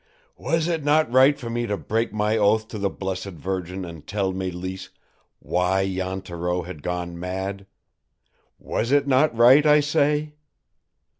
"Was it not right for me to break my oath to the Blessed Virgin and tell Mélisse why Jan Thoreau had gone mad? Was it not right, I say?